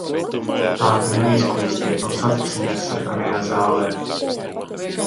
Tā ka neizklīstiet, un satiksimies Sarkanajā zālē!